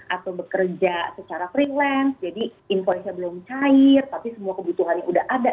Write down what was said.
atau bekerja secara freelance jadi invoice nya belum cair tapi semua kebutuhan yang udah ada